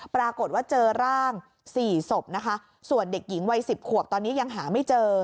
ปรากฏว่าเจอร่างสี่ศพนะคะส่วนเด็กหญิงวัยสิบขวบตอนนี้ยังหาไม่เจอ